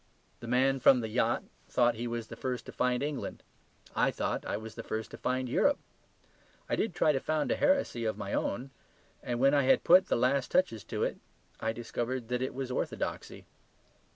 The man from the yacht thought he was the first to find England; I thought I was the first to find Europe. I did try to found a heresy of my own; and when I had put the last touches to it, I discovered that it was orthodoxy.